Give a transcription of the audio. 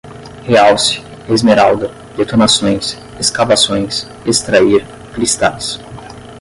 realce, esmeralda, detonações, escavações, extrair, cristais